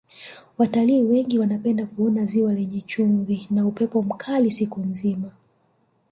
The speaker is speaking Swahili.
watalii wengi wanapenda kuona ziwa lenye chumvi na upepo mkali siku nzima